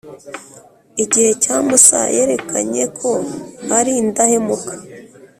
igihe cya Musa, yerekanye ko ari indahemuka,